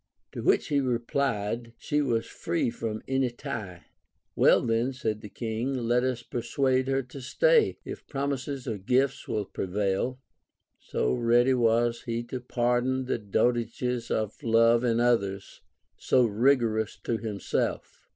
To which he replied, she was free from any tie. Well, then, said the King, let us persuade her to stay, if promises or gifts will prevail. So ready was he to pardon the dotages of love in others, so rigorous to him self.